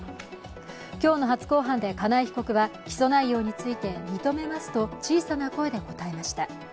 今日の初公判で金井被告は起訴内容について認めますと小さな声で答えました。